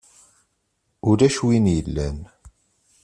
Ulac win yellan.